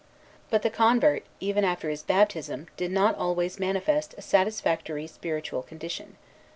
But the convert, even after his baptism, did not always manifest a satisfactory spiritual condition.